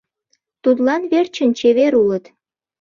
Тудлан верчын чевер улыт.